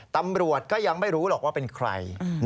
ตำรวจก็ยังไม่รู้หรอกว่าเป็นใคร